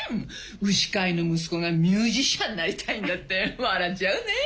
牛飼いの息子がミュージシャンになりたいんだって笑っちゃうねえ。